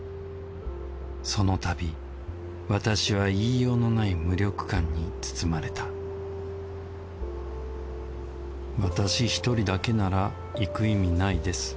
そのたび私は言いようのない無力感に包まれた「私一人だけなら行く意味ないです。